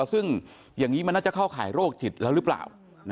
ซึ่งอย่างนี้มันน่าจะเข้าข่ายโรคจิตแล้วหรือเปล่า